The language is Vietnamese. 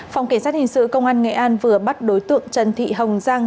phòng cảnh sát hình sự công an nghệ an vừa bắt đối tượng trần thị hồng giang